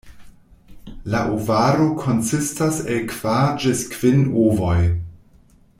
La ovaro konsistas el kvar ĝis kvin ovoj.